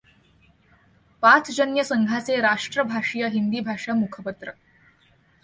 पांचजन्य संघाचे राष्ट्रभाषीय हिंदी भाषा मुखपत्र